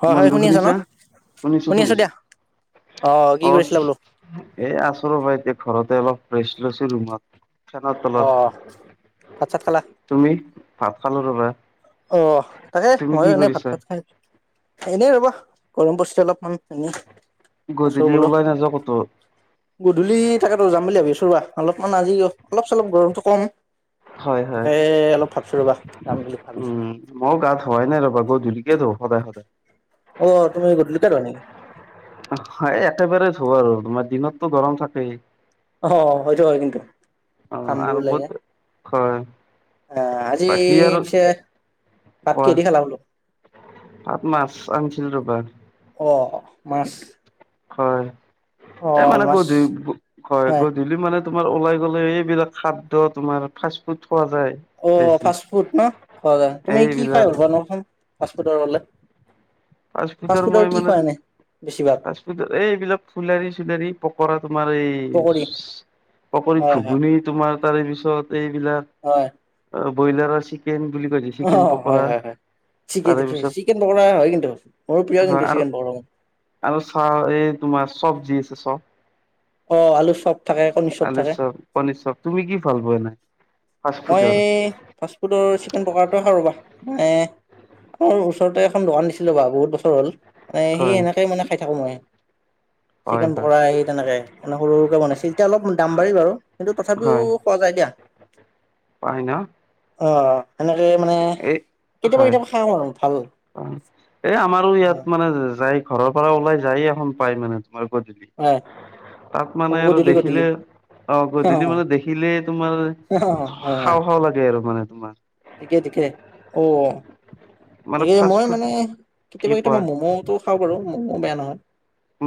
হয় হয় বন্ধু শুনি আছ ন শুনিছা? শুনিছো শুনি আছো শুনিছো। দিয়া। অ কি এ আছো ৰ'বা এতিয়া ঘৰত। তেওঁ ফ্ৰেছ লৈছো ৰুমত। ফেনৰ অ তলত। ভাত চাত খালা তুমি? ভাত খালো ৰ'বা। অ তাকে তুমি কি মইয়ো এনে ভাত কৰিছা? চাত খাইছ- এনেই ৰবা। গৰম পছে অলপমান এনে। আছো গধূলি বোলো। ওলাই নাযাওঁ ক'তো? গধূলি তাকেতো যাম বুলি ভাবিছ- ৰবা অলপমান আজি অলপ চলপ গৰমটো কমক। হয় হয়। তাকে অলপ ভাবিছোঁ ৰ'বা। যাম বুলি ভাবিছো। উম। ময়ো গাত হোৱাই নাই ৰবা। গধূলিকে ধো সদায় সদায়। অ তুমি গধূলিকে ধুৱা নেকি? একেবাৰে ধু আৰু তোমাৰ দিনততো গৰম থাকেই। অ হয় সেইটো আৰু কিন্তু। অ কামবোৰ আৰু ওলাই যায় ক'ত ঘৰ? আহ আজি পিছে ভাত কিহেদি খালা বোলো? সাত মাছ আনিছিল ৰবা। অ মাছ। হয়। অ এ মানে মাছ গধূলি হয় গধূলি মানে তোমাৰ ওলাই গ'লে এইবিলাক খাদ্য তোমাৰ ফাষ্ট ফুড খোৱা যায়। অ বেছি ফাষ্ট-ফুড ন খোৱা যায়। তুমি কি খাই এইবিলাক ভাল পোৱা ন চোন ফাষ্ট-ফুডৰলে। ফাষ্ট-ফুডৰ কি খোৱা এনে? বেছিভাগ? ফাষ্টফুডকৰ। এই এইবিলাক ফুলাৰী-চুলাৰী, পকৰা তোমাৰ এই পকৰী পকৰি, হয়, হয়, ঘুগুন তোমাৰ তাৰে পিছত হয়, এইবিলাক ব্ৰইলাৰৰ চিকেন বুলি কৈছে। চিকেন অ', হয়, পকৰা হয়, হয়। তাৰে চিকেন চিকেন পিছত পকৰা হয় কিন্তু, মোৰো প্ৰিয় কিন্তু হয় আৰু। চিকেন পকৰা মোৰ। আৰু চাহ এই তোমাৰ চবজি আছে চব অ', আলু চপ থাকে, কণী আলু থাকে, চপ, পনীৰ চপ। তুমি কি ভাল পোৱা এনে? ফাষ্ট মই ফুডৰ ফাষ্টফুডৰ চিকেন পকাৰটো খাও ৰবা। এ মই ওচৰতে এখন দোকান দিছিলো বাৰু বহুত বছৰ হ'ল। মানে সি হয় সেনেকে মানে খাই থাকো মই। হয় চিকেন হয় পকৰা তেনেকে। মানে সৰু সৰুকে বনাইছিল। এতিয়া অলপ দামবাঢ়ি বাৰু কিন্তু তথাপিও হয় একো নাই দিয়া।। পাই ন। অ সেনেকে মানে এই কেতিয়াবা হয় কেতিয়াবা খাওঁ আৰু ভাল অ এ আমাৰো অ', ইয়াত মানে যাই ঘৰৰ পৰা ওলাই যায় এখন পায় মানে। হয় [unintelligible] তাত মানে আৰু গধূলি গধূলি দেখিলে অ গধূলি মানে দেখিলে তোমাৰ অ', হয় হয় খাও খাও লাগে আৰু মানে তোমাৰ। ঠিকে ঠিকে। অ মানে তাকে ফাষ্ট মই ফুড মানে কি কেতিয়াবা কোৱা কেতিয়াবা মমটো খাওঁ বাৰো। মোকটো বেয়া নহয়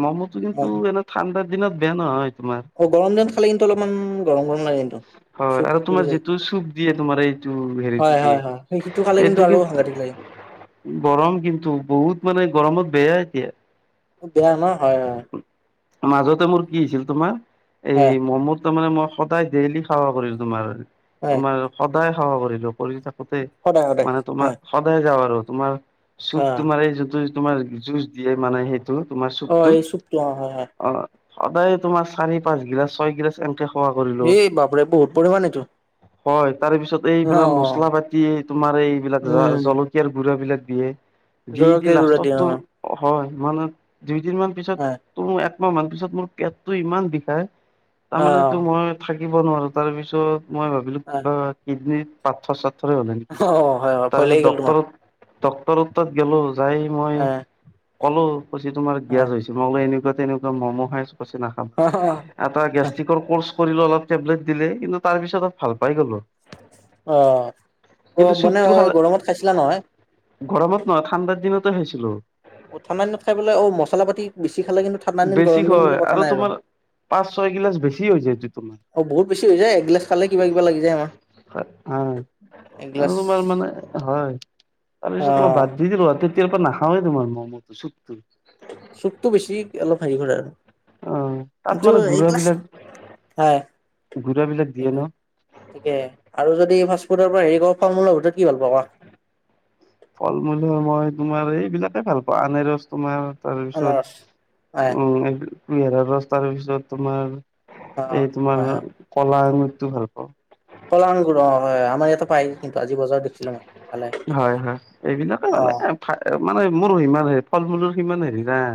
ম'ম টো কিন্তু এনে ঠাণ্ডাৰ দিনত বেয়া নহয়। তোমাৰ। অ গৰম দিন খালে কিন্তু অলপমান গৰম গৰম লাগে কিন্তু। হয় চুখ আৰু পুৰি তোমাৰ যায় যিটো চুপ দিয়ে তোমাৰ এইটো হয় হেৰিটো হয় হয় সেই সিটো খালে দিয়ে। কিন্তু এইটো আৰু কি সাংঘাতিক লাগে গৰম কিন্তু বহুত মানে গৰমত বেয়া এতিয়া খুব বেয়া ন। হয় হয় মাজতে মোৰ কি হৈছিল তোমাৰ। হয় এই মমত মে মই সদায় ডেইলি সেৱা কৰিলো তোমাৰ। হয় তোমাৰ সদায় সেৱা কৰিলো কৰি তাতে সদায় সদায় মানে হয় তোমাৰ সদায় যাওঁ আৰু। তোমাৰ অ চুপ তোমাৰ এই যিটো তোমাৰ জুচ দিয়ে মানে সেইটো তোমাৰ অ চুপটো। এই অ হয় হয়। অ সদায় তোমাৰ চাৰি পাঁচ গিলাচ ছয় গিলাছ এনকে খোৱা কৰিলো এই বাপৰে বহুত পৰিমান এইটো। হয়। তাৰ পিছত অ এইবিলাক মচলা পাতি তোমাৰ এইবিলাক জ উম জলকীয়াৰ গোড়া বিলাক দিয়ে। দি দি জৰকে গুৰা দিয়ে অ লাষ্টতো হয় মানে দুইদিন মান পিছত হয় তো এক মাহ মান পিছত মোৰ পেটতটো ইমান বিষাই। অ তাৰমানেটো মই থাকিব নোৱাৰো তাৰ পিছত। মই ভাবিলো হয়। কিবা কিডনীৰ পাৰ্থৰ -চাৰ্থৰে হলে নেকি অ', হয়, হয়, ভয় তাৰপিছত লাগি গ'ল তোমাৰ ডক্টৰক ডটৰ উ্তৰত গলো যাই মই হয়, কলো কছি তোমাৰ গ্ঞাজ হয়, হৈছে। মই বোলো এনেকুৱা তেনেকুৱা মম খাইচো ফুচকা খাইছোঁ এটা গেষ্টিক। কৰিলো অলপ টেবলেট দিলে কিন্তু তাৰ পিছত অ ভাল পাই গ'লো। অ কিন্তু অ', মানে চুপটো খালে গৰমত খাইছিলা নহয়? গৰমত নহয় ঠাণ্ডাৰ দিনতে আহাইছিলো। অ ঠাণ্ডা দিনত খাই পলৈ অ মছলা পাতি বেছি খালে কিন্তু ঠাণ্ডা দিন বেছি গৰম দিন বুলি হয় কথা নাই আৰু। তোমাৰ পাঁচ ছয় গিলাচ বেছি হৈ যায় এইটো তোমাৰ অ বহুত বেছি হৈ যায় এগিলাছ খালে কিবা কিবা লাগি যায় আমাৰ। ভাত হা আৰু একগিলাচ তোমাৰ মানে হয় তাৰপিছত মই অ', বাদ দি দিলো তে তেতিয়াৰ পৰা নাখাওৱে তোমাৰ মম চুপটো। চুপটো বেছি অলপ হেৰি কৰে আৰু। অ তাত কিন্তু মানে ঘুৰা এইগিলাচ বিলাক। হয় গুৰা বিলাক দিয়ে ন ঠিকে আৰু যদি ভাচ' বোৰৰ পৰা হেৰি কৰা ফল মূলৰ ভিতৰত কি ভাল পাৱ ক ফল মূল মই তোমাৰ এইবিলাকে ভাল পাওঁ আনাৰস তোমাৰ। আনাৰস? হয়, তাৰপিছত উম কুইহাৰাৰ ৰছ তাৰপিছত তোমাৰ। অ', এই হয়, তোমাৰ হয়, কলা আঙুৰটো ভাল পাওঁ। কলা আংগুৰ অ হয় আমাৰ ইয়াতে পায় কিন্তু আজি বজাত দেছিলো মই। পালে হয় দেখিছোঁ হয় এইবিলাকে মানে অ'। এ থা--মানে মোৰ সিমান হেৰি ফল মুলৰ সিমান হেৰি নাই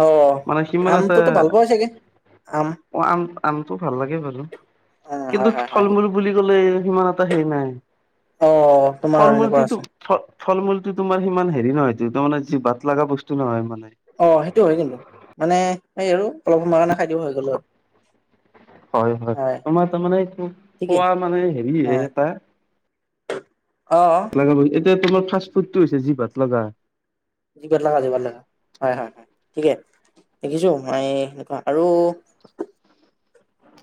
অ মানে সিমানতে আমটোতো ভাল পোৱা চাগে আম অ আন কামটো ভাল লাগে বাৰু অ কিন্তু হয় হয় ফল হয় মূল বুলি ক'লে সিমান এটা হেৰি নাই। অ তোমাৰ এনেকুৱা। কিন্তু আছে ফ ফল মূলটো তোমাৰ সিমান হেৰি নহয় যিনটো মানে জিভাত লাগা বস্তু নহয় মানে। অ সেইটো হয় কিন্তু মানে সেই আৰু অলপ সময়ৰ কাৰণে খাই দিওঁ হৈ গ'ল আৰু। হয় হয় তোমাৰ তাৰমানে তো ঠিকেই খোৱা মানে হেৰি অ এটা। অ [unintelligible] এতিয়া তোমাৰ ফাষ্ট ফুডটো হৈছে জিভাত লগা। জিবাৰ লগা জিবাৰ লগা হয় হয় হয় ঠিকে। দেখিছো মই সেনেকুৱা আৰু।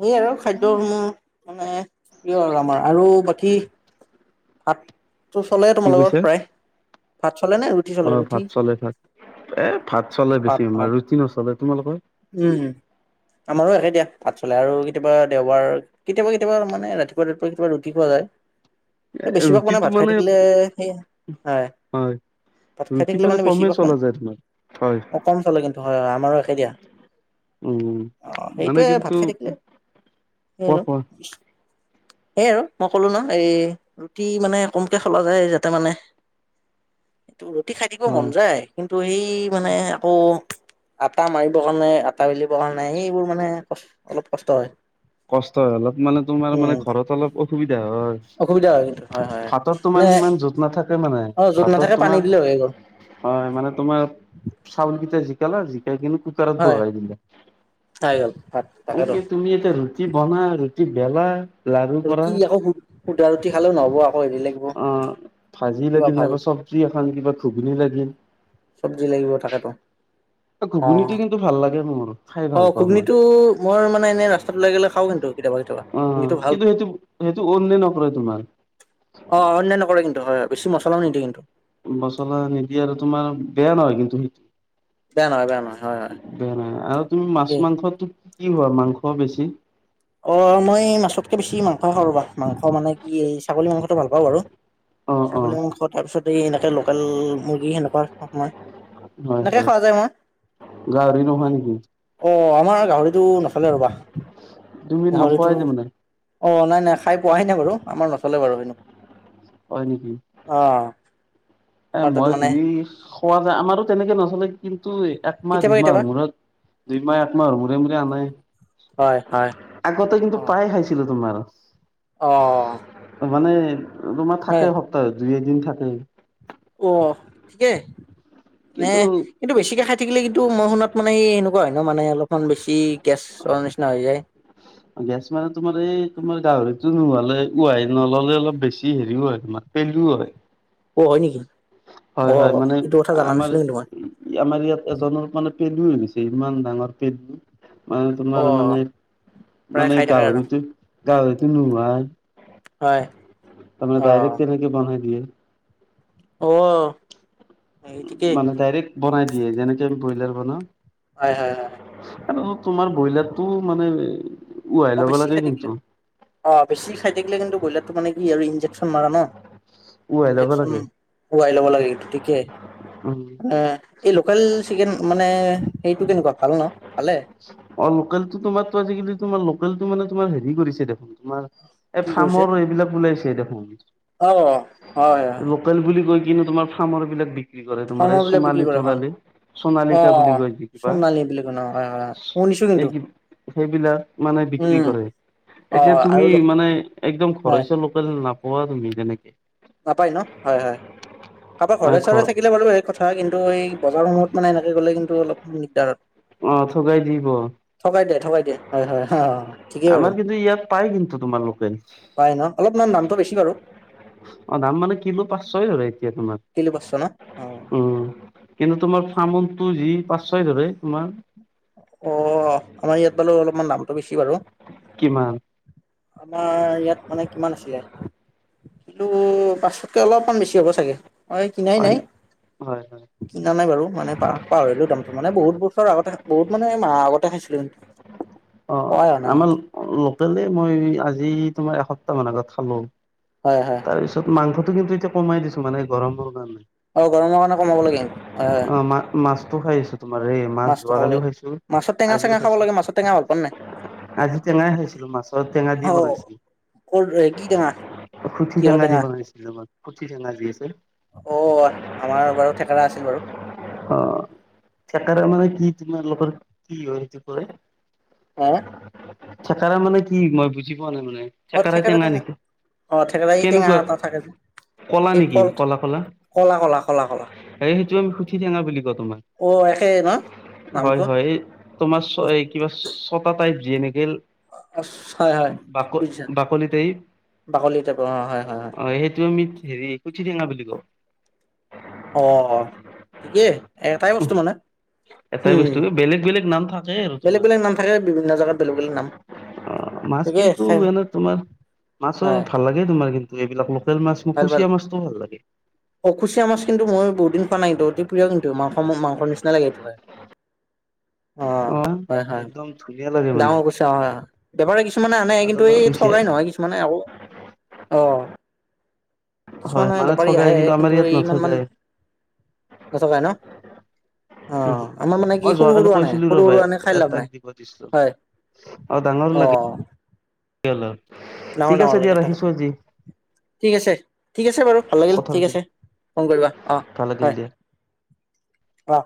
সেই আৰু খাদ্য মোৰ মানে প্ৰিয় আৰু আমাৰ আৰু বাকী। ভাতটো চলে কি তোমালোকৰ কৈছা প্ৰায়। ভাত চলে নে ৰুটি অ চলে ৰুটি ভাত চলে ঘত এ ভাত চলে ভাত বেছি ভাত আমাৰ ৰুটি নচলে তোমালোকৰ। উম আমাৰো একে দিয়া। পাত চালে আৰু কেতিয়াবা দেওবাৰ কেতিয়াবা কেতিয়াবা মানে ৰাতিপুৱা ৰাতিপুৱা কেতিয়াবা ৰুটি খোৱা যায়। এ বেছিভাগ মানে ৰুটিটো ভাত খাই থাকিলে সে হয়। ভাত খাই ৰুটি থাকিলে মানে বেছি কমেই প চলা যায় তোমাৰ হয় অ কম চালে কিন্তু হয় হয় আমাৰো একে দিয়া। উম অ মানে সেইটোৱে ভাত কিন্তু খাই থাকিলে সে কোৱা আৰু। কোৱা সেইয় আৰু মই ক'লো ন এই। ৰুটি মানে কমকে সলা যায় যাতে মানে। ৰুটি খাই থাকিব মন হয় যায় কিন্তু সেই মানে আকৌ আটা মাৰিবৰ কাৰণে আট কাৱেলী পহাৰ নাই এইবোৰ মানে কচ্ অলপ কষ্ট হয়। কষ্ট হলত মানে তোমাৰ মানে উম ঘৰত অলপ অসুবিধা হয়। অসুবিধা হয় কিন্তু হয় হয় ভাতত তোমাৰ মানে সিমান যোত নাথাকে মানে অ য'ত ভাতত নাথাকে পানী তোমাৰ। দিলে হৈ গ'ল হয় মানে তোমাৰ চাউলকেটা যি শিকালা জিকাই কিনি কুকাৰত হয় বহাই দিলা খাই গ'ল ভাত তাকেতো এ তুমি এতিয়া ৰু ৰুটি বনা ৰুটি বেলা লাৰু কৰা। হোদা ৰুটি খালেও নহব আ অ ভাজি লাগিল ভাল নাইবা চব্জি এখন কিবা ঘুগনী লাগিল। চব্জি লাগিব তাকেতো। অ ঘুগুনী দি কিন্তু ভাল লাগে মোৰ। খাই অ ভাল পাওঁ ঘুগনী মই। টো মই মানে এনেই ৰাস্তাত ওলাই গলে খাওঁ কিন অ কিন্তু সেইটো সেইটো অন্যায় নকৰে তোমাৰ। অ অন্যায় নকৰে কিন্তু হয় বেছি মছলাও নিদিয়ে কিন্তু। মচলা নিদিয়ে আৰু তোমাৰ বেয়া নহয় কিন্তু সেইট বেয়া নহয়, বেয়া নহয়, হয় হয়। আৰু তুমি মাছ ঠিকেই মাংস কি খোৱা মাংস বেছি অ মই মাছতকে বেছি মাংস খাওঁ ৰবা মাংস মানে কি ছাগলী মাংসটো ভাল পাওঁ বাৰু। অ' ছাগলী অ' মাংস তাৰ পিছত এই এনেকে লোকেল মুৰ্গী সেনেকুৱা খাওঁ মই। হয় এনেকে হয় খোৱা যায় মই। গাহৰি নোখোৱা নেকি? অ আমাৰ গাহৰিটো নচলে ৰ'বা। তুমি গাহৰিটো নোখোৱাই তাৰমানে অ নাই নাই খাই পোৱাই নাই বাৰু আমাৰ নচলে বাৰু এনেকুৱা। হয় নেকি? অ এ আমাৰ তাত মই মানে ঘুৰি খোৱা যায় আমাৰো তেনেকে নচলে কি তটো একমাহ দুই কেতিয়াবা কেতিয়াবা। মাহৰ মূৰত দুইমাহ একমাহৰ মূৰে মূৰে আনাই হয় হয়। আগতে কিন্তু প্ৰায়ে খাইছিলো তোমাৰ। অহ মানে তোমাৰ থাকে সপ্তাহত দুই এদিন থাকে। অ ঠিকেই মানে কিন্তু কিন্তু বেছিকে খাই থাকিলে কিন্তু মই শুনাত মানে এনেকুৱা হয় ন মানে অলপমান বেছি গেছ নিচিনা হৈ যায়। গেছ মানে তোমাৰ এই তোমাৰ গাহৰিতো নোহালে ৱাই নল'লে অলপ বেছি হেৰিও হয় তাৰ। শ হয় [inaudible] অ হয় নেকি। অ হয় হয় মানে এইটো কথা জানা আমাৰ নাছিলো কিন্তু মই আমাৰ ইয়াত এজনৰ মানে পেলু হৈ গৈছে ইমান ডাঙৰ পেলু। মানে অ তোমাৰ মানে প্ৰায় মানে খাই থাকে আৰু গাহৰিটো গাহৰিটো নু ভ। হয়। তে অ ডাইৰেক্ট তেনেকে বনাই দিয়ে। অহ মানে ডাইৰেক্ট বনাই দিয়ে যেনেকে আমি ব্ৰইলাৰ হয় হয় হয় বনাওঁ। আৰু তোমাৰ ব্ৰইলাৰটো মানে উহাই অ ল'ব বেছি লাগে খাই থাকিলে কিন্তু অ বেছি খাই থাকিলে কিন্তু ব্ৰইলাৰটো মানে কি আৰু ইনজেকচন মাৰা ন। উহাই [inaudible] ল'ব দেচোন লাগে। উবাই লব লাগে একটো ঠিকেই উম, এ এই লোকেল চিকেন মানে সেইটো কেনেকুৱা ভাল ন। ভালে অ লোকেলটো তোমাৰো আজিকালি তোমাৰ লোকেলটো মানে তোমাৰ হেৰি কৰিছে দেখোন। তোমাৰ এই কি কৰিছে ফাৰ্মৰ এইবিলাক ওলাইছে দেখোন। অ হয় হয়। কিন্তু তোমাৰ ফাৰ্মৰ বিলাক বি কি কৰে তোমাৰ এই ফাৰ্মৰ বিলাক বিক্ৰী সোণালী কৰে হয় তোলালি, অ সোনালিকাপ বুলি কয় কিবা। সোণালী বুলি কয় ন হয় হয় হয় শুনিছো কিন্তু এই সেইবিলাক মানে বিক্ৰী উম কৰে। অ এতিয়া তুমি আৰু মানে একদম হয় খৰচৰ লোকেল নাপোৱা তুমি তেনেকে। নাপায় ন হয় হয়। কাৰোবাৰ মানে ঘৰে ঘৰ -চৰে থাকিলে বাৰু সেই কথা কিন্তু এই বজাৰ সমূয়ত মানে এনেকে গ'লে কিন্তু অলপ দিগদাৰ। অ ঠগাই দিব। ঠগাই দিয়ে, ঠগাই দিয়ে, হয় হয়। ঠিকেই বাৰু আমাৰ কিন্তু ইয়াত পাই কিন্তু তোমাৰ লোকেল। পাই ন অলপমান দামটো বেছি বাৰু। অ দাম মানে কিলো পাঁচ ছয় হয় এতিয়া তোমাৰ। কিলো পাঁচশ ন অ উ কিন্তু তোমাৰ ফাৰ্মটো যি পাঁচ ছয় ধৰে তোমাৰ। অ আমাৰ ইয়াত বোলো অলপমান দামটো বেছি বাৰু। কিমান? আমাৰ ইয়াত মানে কিমান আছিলে কিন্তু পাঁচশকে অলপমান বেছি হ'ব চাগে অ কিনাই হয় নাই হয় হয় কিনা নাই বাৰু মানে পাহৰিলো দামটো মানে বহুত বছৰ আগতে বহুত মানে মা আগতে খাইছিলো কিন্তু অ খোৱাই হোৱা নাই আমাৰ লোকেলে মই আজি তোমাৰ এসপ্তাহ মান আগত খালো মই হয় হয় তাৰপিছত মাংসটো কিন্তু এতিয়া কমাই দিছো মানে গৰমৰ কাৰণে অ গৰমৰ কাৰণে কমাব লাগে কিন্তু হয় হয় অ মা মাছতটো খাই আছো তোমাৰ এই মাছ যোৱাকালিও খাইছো মাছ টেঙ আজিও চেঙা খাইছো খাবাগে মাছ টো ভাল পাম নাই আজি টেঙাই খাইছিলো মাছত টেঙা দি অ বনাইছিলো কৰ কি টেঙা খুঠি টেঙা দ বনাইছিল ৰ খুঠি টেঙা দি আছে। অ আমাৰ বাৰু ঠেকেৰা আছিল বাৰু অ চাতাৰ মানে কি তোমালোকৰ কি হয় কৰে। আহ চেকাৰ মানে কি মই বুজি পোৱা নাই মানে অ থেকেৰা চকতিঙা টেঙা নেকি অ থেকেৰা এই টেঙা কেনেকুৱা এটা থাকে যে কলা এই নেকি ফলটো কলা কলা কলা কলা কলা কলা এই সেইটো আমি সুধিছ। জেঙা বুলি কয় তোমাৰ। অ একেই ন হয় নামটো হয় তোমাৰ কিবা ছটা টাইপ জিয়ে নিকিল। অ', হয় হয় ঠিক বাক বুজিছা বাকলতেই বাকলি টাইপৰ অ হয় হয় হয়। আমি হেৰি কিচ টিঙা বুলি কয়। অ ঠিকেই এটাই বস্তু মানে। এটাই হম বস্তু বেলেগ বেলেগ নাম থাকে আৰু বেলেগ তোমাৰ বেলেগ নাম থাকে বিভিন্ন জেগাত বেলেগ বেলেগ নাম। অ মাছ ঠিকেই কিন্তু খাই এনে তোমাৰ মাছৰ হয় ভাল লাগে তোমাৰ কিন্তু এইবিলাক লোকেল মাছ মোক ভাল ভাল কুচিয়া মাছটো ভাল লাগে অসুচীয়া মাছ কিন্তু মই বহুত দিন খোৱা নাই। নটো অতি প্ৰিয় কিন্তু মাংস মাংস নিচিনা লাগে এইটোকে। অ একদম লাগে মানে ডাঙৰ কছা অ বেপাৰে কিছুমানে আনে কিন্তু তোমাৰ এই ঠগাই নহয় কিছুমানে আকৌ অঁ হয় কিছুমানে মানে বেপাৰী ঠগাই আহে আমাৰ কিন্তু ইয়াত ইমান মান নঠগাই গছাক ন অ উম আমাৰ মানে কি মই সৰু সৰু যোৱাকালি নাই কৈছিলো সৰু ৰ'বা সৰু আনে খাই লাভ এটাক নাই। দিব হয় আৰু ডাঙৰৰ অ লাগে। কিয়ল ডাঙৰ ডাঙৰকে কেটা কাটো ঠিক আছে ঠিক আছে বাৰু ভাল লাগিল কথা ঠিক পাতিম আছে ফোন কৰিবা ভাল অহ লাগিল দিয়া। হয় অহ